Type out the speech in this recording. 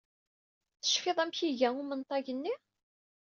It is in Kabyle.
Tecfiḍ amek i iga umenṭag-nni?